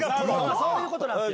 そういうことなんすよ。